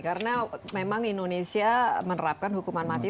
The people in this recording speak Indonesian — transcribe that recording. karena memang indonesia menerapkan hukuman mati